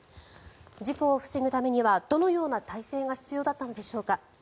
事故を防ぐためにはどのような体制が必要だったのでしょうか。